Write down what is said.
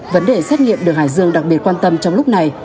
vấn đề xét nghiệm được hải dương đặc biệt quan tâm trong lúc này